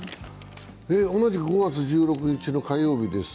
同じく５月１６日の火曜日です。